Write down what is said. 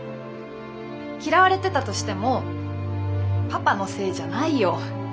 嫌われてたとしてもパパのせいじゃないよ。